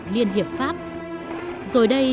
liên hiệp pháp rồi đây